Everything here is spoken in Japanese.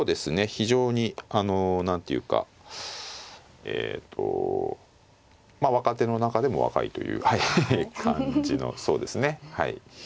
非常にあの何ていうかえとまあ若手の中でも若いというはい感じのそうですねはい。